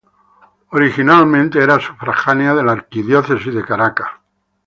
Originalmente era sufragánea de la arquidiócesis de Caracas.